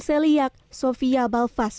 seliak sofia balfas